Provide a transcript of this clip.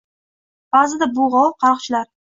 Baʼzida bu g‘ov – qaroqchilar.